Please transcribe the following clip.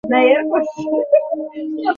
সন্দেহ নেই যে, তারা যুদ্ধবাজ ছিল।